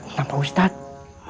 tentang pak ustadz